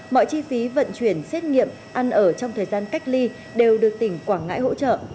mọi chi phí vận chuyển xét nghiệm ăn ở trong thời gian cách ly đều được tỉnh quảng ngãi hỗ trợ